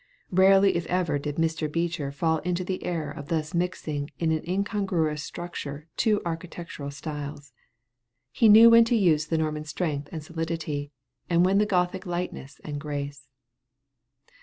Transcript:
Rarely if ever did Mr. Beecher fall into the error of thus mixing in an incongruous structure two architectural styles. He knew when to use the Norman strength and solidity, and when the Gothic lightness and grace.